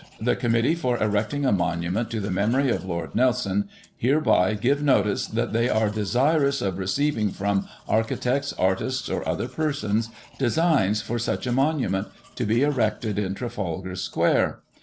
— ^The Com mittee for erecting a Monument to the Memory of Lord Nelson hereby give notice that they are desirous of receiving from architects, artists, or other persons, DESIGNS for such a Monument, to be erected in Trafalgar Square.